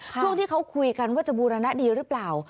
ช่วงที่เขาคุยกันว่าจะบูรณะดีหรือเปล่า